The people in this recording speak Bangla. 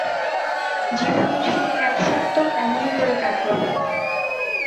জীবনের সেই এক সপ্তক এমনি করে কাটল।